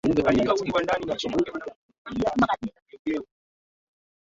amesema huu ni wakti wa kutumia mbinu yoyote kumuondoa madarakani lauren bagbo